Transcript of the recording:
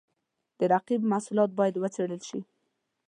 د رقیب محصولات باید وڅېړل شي.